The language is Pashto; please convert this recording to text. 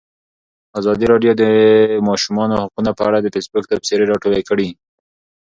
ازادي راډیو د د ماشومانو حقونه په اړه د فیسبوک تبصرې راټولې کړي.